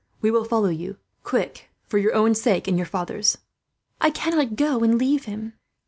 We will follow you. Quick, for your own sake and your father's." "I cannot go and leave him."